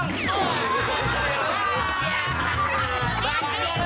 loh ini bisa